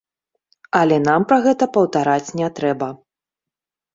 Але нам пра гэта паўтараць не трэба.